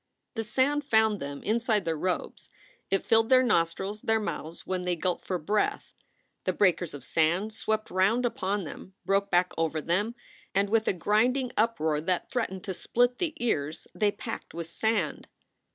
The sand found them inside their robes; it filled their nostrils, their mouths when they gulped for breath. The breakers of sand swept round upon them, broke back over them, and with a grinding uproar that threatened to split the ears they packed with sand.